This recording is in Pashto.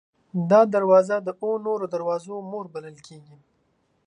دا دروازه د اوو نورو دروازو مور بلل کېږي.